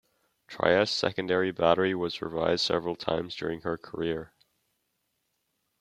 "Trieste"s secondary battery was revised several times during her career.